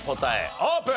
オープン！